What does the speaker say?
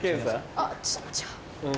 あっ小っちゃ。